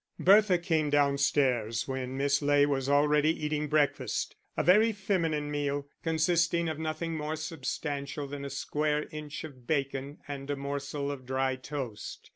Bertha came downstairs when Miss Ley was already eating breakfast a very feminine meal, consisting of nothing more substantial than a square inch of bacon and a morsel of dry toast.